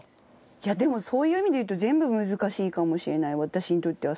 いやでもそういう意味で言うと全部難しいかもしれない私にとっては。